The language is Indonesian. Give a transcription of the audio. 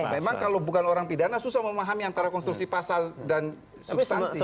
memang kalau bukan orang pidana susah memahami antara konstruksi pasal dan substansi